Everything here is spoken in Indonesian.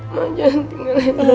mama jangan tinggalin